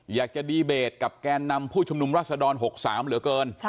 อยากจะดีเบตกับแกนนำผู้ชุมนุมรัศดร๖๓เหลือเกิน